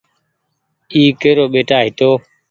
اي ڪيرو ٻيٽآ هيتو ۔